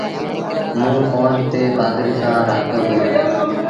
موݩ ڦون تي پآڌريٚ سآب سآݩ رآبتو ڪيو۔